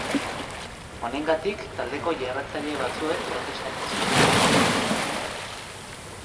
Honengatik taldeko jarraitzaile batzuek protesta egin zuten.